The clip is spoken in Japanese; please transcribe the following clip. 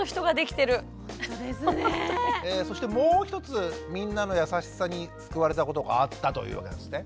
そしてもう一つみんなの優しさに救われたことがあったというわけですね？